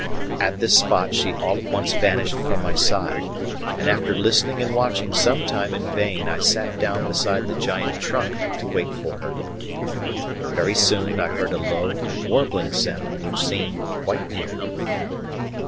At this spot she all at once vanished from my side; and after listening and watching some time in vain, I sat down beside the giant trunk to wait for her. Very soon I heard a low, warbling sound which seemed quite near.